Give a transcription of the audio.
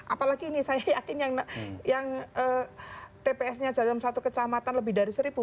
apalagi ini saya yakin yang tps nya dalam satu kecamatan lebih dari seribu